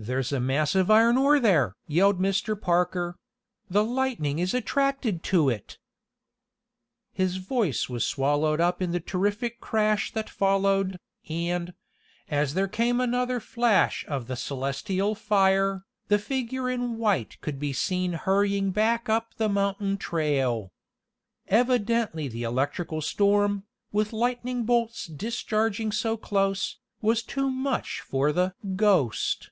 "There's a mass of iron ore there!" yelled Mr. Parker. "The lightning is attracted to it!" His voice was swallowed up in the terrific crash that followed, and, as there came another flash of the celestial fire, the figure in white could be seen hurrying back up the mountain trail. Evidently the electrical storm, with lightning bolts discharging so close, was too much for the "ghost."